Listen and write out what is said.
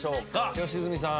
良純さん。